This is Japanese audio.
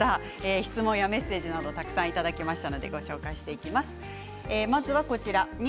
質問やメッセージもたくさんいただきました。